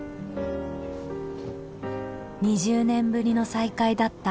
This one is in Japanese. ２０年ぶりの再会だった